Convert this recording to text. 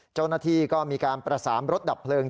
เจ้าหน้าที่ก็มีการประสานรถดับเพลิง